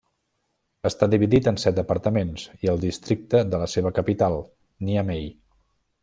Està dividit en set departaments i el districte de la seva capital, Niamey.